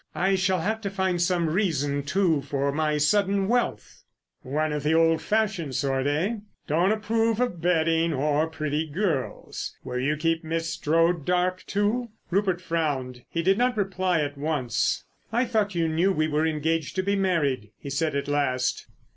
I shall have to find some reason, too, for my sudden wealth." "One of the old fashioned sort, eh?—don't approve of betting or pretty girls. Will you keep Miss Strode dark, too?" Rupert frowned. He did not reply at once. "I thought you knew we were engaged to be married," he said at last.